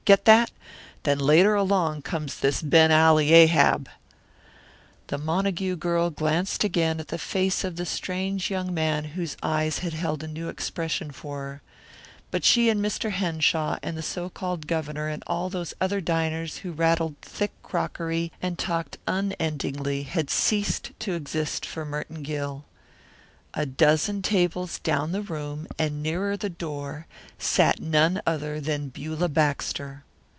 Get that? Then later along comes this Ben Ali Ahab " The Montague girl glanced again at the face of the strange young man whose eyes had held a new expression for her, but she and Mr. Henshaw and the so called governor and all those other diners who rattled thick crockery and talked unendingly had ceased to exist for Merton Gill. A dozen tables down the room and nearer the door sat none other than Beulah Baxter.